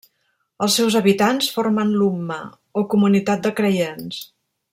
Els seus habitants formen l'Umma o comunitat de creients.